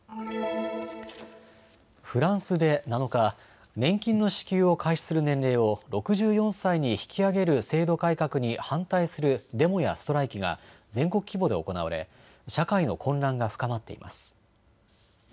フランスで７日、年金の支給を開始する年齢を６４歳に引き上げる制度改革に反対するデモやストライキが全国規模で行われ社会の混乱が深まっています。